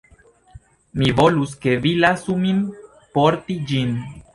Mi volus, ke vi lasu min porti ĝin.